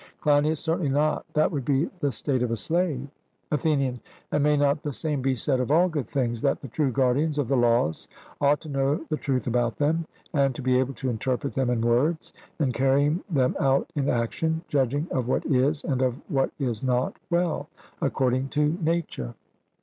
CLEINIAS: Certainly not; that would be the state of a slave. ATHENIAN: And may not the same be said of all good things that the true guardians of the laws ought to know the truth about them, and to be able to interpret them in words, and carry them out in action, judging of what is and of what is not well, according to nature?